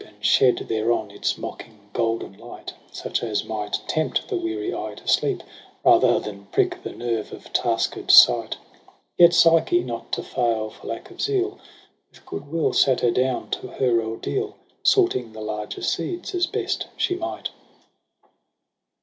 And shed thereon its mocking golden light ; Such as might tempt the weary eye to sleep Rather than prick the nerve of tasked sight. Yet Psyche, not to fail for lack of zeal, With good will sat her down to her ordeal. Sorting the larger seeds as best she might.